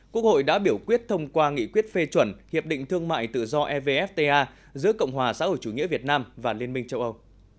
quốc hội đã biểu quyết thông qua nghị quyết phê chuẩn hiệp định thương mại tự do evfta giữa cộng hòa xã hội chủ nghĩa việt nam và liên minh châu âu